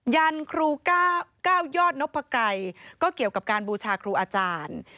ยันครู๙ยอดนพกรัยก็เกี่ยวกับการบูชาครูอาจารย์